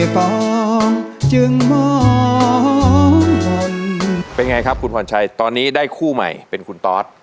จึงมองเป็นไงครับคุณพรชัยตอนนี้ได้คู่ใหม่เป็นคุณตอส